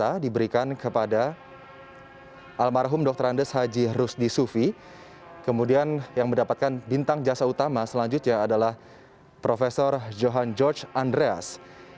yang pertama diberikan kepada almarhum dr andes haji rusdi sufi kemudian yang mendapatkan bintang jasa utama selanjutnya adalah prof johan george andreas